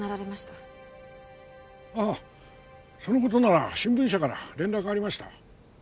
ああその事なら新聞社から連絡がありました。